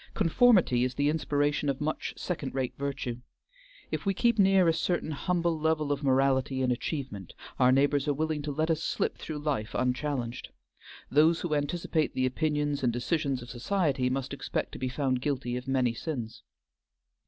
Conformity is the inspiration of much second rate virtue. If we keep near a certain humble level of morality and achievement, our neighbors are willing to let us slip through life unchallenged. Those who anticipate the opinions and decisions of society must expect to be found guilty of many sins.